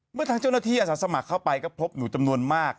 เมื่อทางเจ้าหน้าที่อาสาสมัครเข้าไปก็พบหนูจำนวนมาก